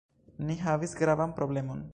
Ni havis gravan problemon.